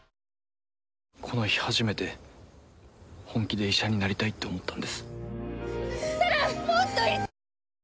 この日初めて、本気で医者になりたいって思ったんです。